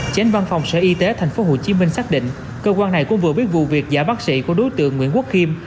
chánh văn phòng sở y tế thành phố hồ chí minh xác định cơ quan này cũng vừa biết vụ việc giả bác sĩ của đối tượng nguyễn quốc kim